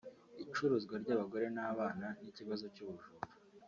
icuruzwa ry’abagore n’abana n’ikibazo cy’ubujura